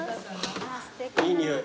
いい匂い。